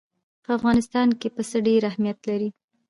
په افغانستان کې پسه ډېر اهمیت لري.